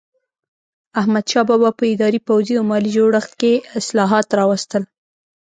احمدشاه بابا په اداري، پوځي او مالي جوړښت کې اصلاحات راوستل.